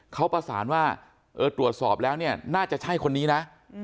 เขาประสานว่าตรวจสอบแล้วเนี่ยน่าจะใช่คนนี้นะ